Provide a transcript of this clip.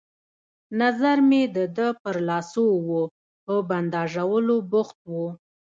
نظر مې د ده پر لاسو وو، په بنداژولو بوخت وو.